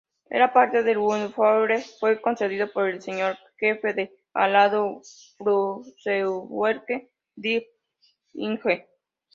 Era parte de las Wunderwaffe.Fue concebido por el Diseñador Jefe de Arado Flugzeugwerke Dipl.-lng.